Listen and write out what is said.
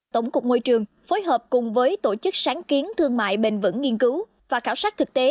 tổng cục môi trường phối hợp cùng với tổ chức sáng kiến thương mại bền vững nghiên cứu và khảo sát thực tế